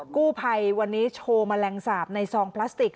กู้ภัยวันนี้โชว์แมลงสาปในซองพลาสติก